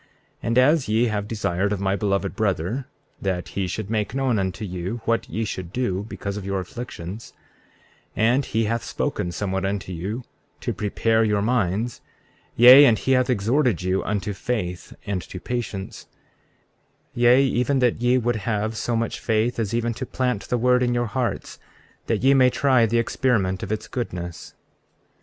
34:3 And as ye have desired of my beloved brother that he should make known unto you what ye should do, because of your afflictions; and he hath spoken somewhat unto you to prepare your minds; yea, and he hath exhorted you unto faith and to patience— 34:4 Yea, even that ye would have so much faith as even to plant the word in your hearts, that ye may try the experiment of its goodness.